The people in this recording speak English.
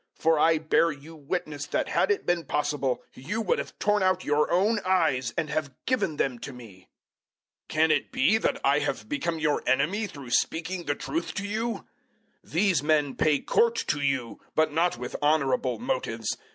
For I bear you witness that had it been possible you would have torn out your own eyes and have given them to me. 004:016 Can it be that I have become your enemy through speaking the truth to you? 004:017 These men pay court to you, but not with honourable motives.